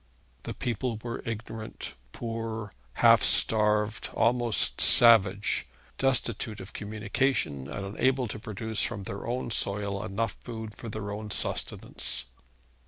The people were ignorant, poor, half starved, almost savage, destitute of communication, and unable to produce from their own soil enough food for their own sustenance.